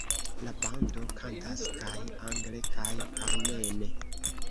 La bando kantas kaj angle kaj armene.